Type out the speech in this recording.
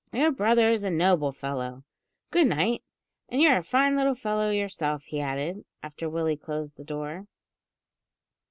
Your brother is a noble fellow. Good night. And you're a fine little fellow yourself," he added, after Willie closed the door.